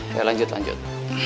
ya lanjut lanjut